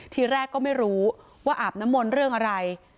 ทีแรกก็ไม่รู้ว่าอาบน้ำมนต์เรื่องอะไร